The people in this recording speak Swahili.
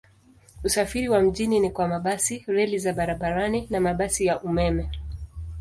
Usafiri wa mjini ni kwa mabasi, reli za barabarani na mabasi ya umeme.